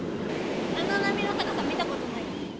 あの波の高さ見たことない。